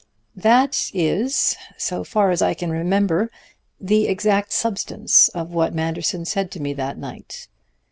"That is, so far as I can remember, the exact substance of what Manderson said to me that night.